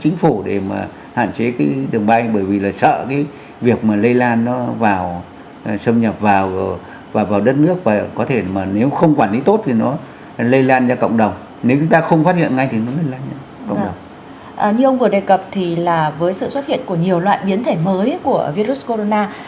như ông vừa đề cập thì là với sự xuất hiện của nhiều loại biến thể mới của virus corona